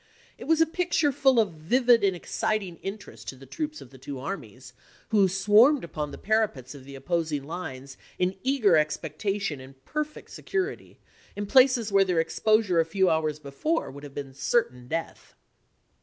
It was a picture full of vivid and exciting interest to the troops of the two armies, who swarmed upon the parapets of the opposing lines in eager expectation and perfect security, in places where their exposure a few hours before would have been certain death.